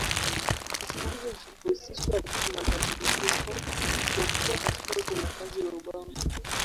Usingizi huhusisha mabadiliko makubwa katika utendakazi wa ubongo.